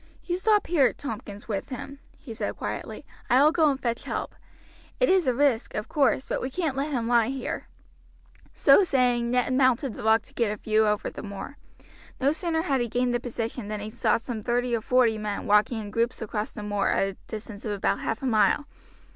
"You stop here, Tompkins, with him," he said quietly, "I will go and fetch help. It is a risk, of course, but we can't let him lie here." So saying, Ned mounted the rock to get a view over the moor. No sooner had he gained the position than he saw some thirty or forty men walking in groups across the moor at a distance of about half a mile.